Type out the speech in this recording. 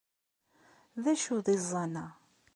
D acu d iẓẓan-a?